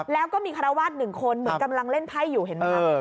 แล้วก็มีคารวาส๑คนเหมือนกำลังเล่นไพ่อยู่เห็นไหมคะ